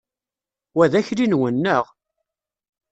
Wa d akli-nwen, neɣ?